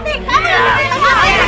kenapa nyaran salih doang